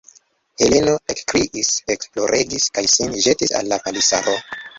Heleno ekkriis, ekploregis kaj sin ĵetis al la palisaro.